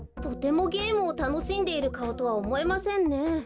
とてもゲームをたのしんでいるかおとはおもえませんね。